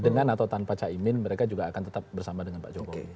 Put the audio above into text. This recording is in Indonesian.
dengan atau tanpa caimin mereka juga akan tetap bersama dengan pak jokowi